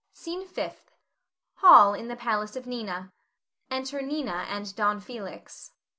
SCENE FIFTH. [Hall in the palace of Nina. Enter Nina and Don Felix.